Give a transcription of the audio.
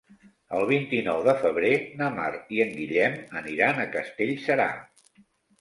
El vint-i-nou de febrer na Mar i en Guillem aniran a Castellserà.